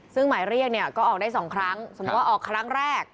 ซึ่งหมายเรียกเนี่ยก็ออกได้๒ครั้งสมมุติว่าออกครั้งแรก